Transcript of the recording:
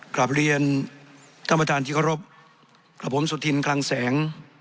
กลับเรียนท่านประธานที่เคารพกับผมสุธินคลังแสง